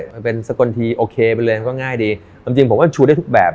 มันเป็นสกลทีโอเคไปเลยก็ง่ายดีความจริงผมก็ชูได้ทุกแบบ